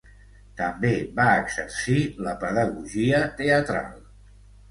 També va exercir la pedagogia teatral.